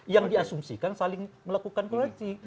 yang diasumsikan saling melakukan koleksi